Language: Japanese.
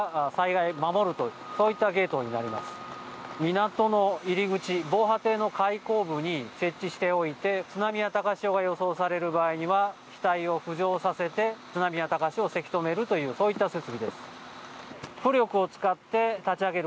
港の入口防波堤の開口部に設置しておいて津波や高潮が予想される場合には扉体を浮上させて津波や高潮をせき止めるというそういった設備です。